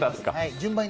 順番に